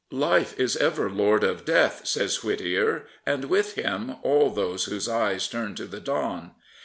" Life is ever Lord of Death," says Whittier, and with him all those whose eyes turn to the dawn.